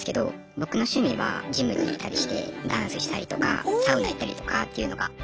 僕の趣味はジムに行ったりしてダンスしたりとかサウナ行ったりとかっていうのが。